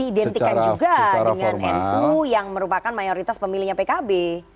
didentikan juga dengan nu yang merupakan mayoritas pemilihnya pkb